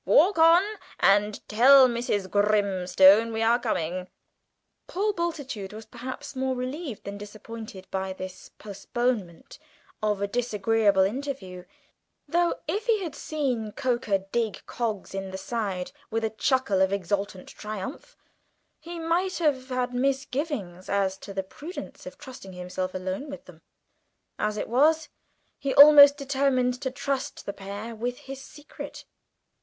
Walk on and tell Mrs. Grimstone we are coming." Paul Bultitude was perhaps more relieved than disappointed by this postponement of a disagreeable interview, though, if he had seen Coker dig Coggs in the side with a chuckle of exultant triumph, he might have had misgivings as to the prudence of trusting himself alone with them. As it was he almost determined to trust the pair with his secret.